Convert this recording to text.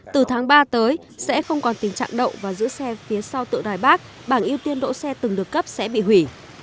từ tháng ba tới sẽ không còn tình trạng đậu và giữa xe phía sau tựa đài bắc bảng ưu tiên độ xe từng được cấp sẽ bị hủy